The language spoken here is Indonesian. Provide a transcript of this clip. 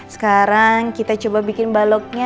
sekarang kita coba bikin baloknya